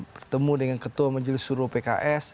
bertemu dengan ketua majelis suro pks